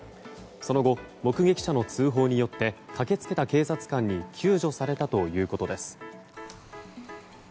その後、目撃者の通報によって駆け付けた警察官に救助されたということです。